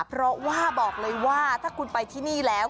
เพราะว่าบอกเลยว่าถ้าคุณไปที่นี่แล้ว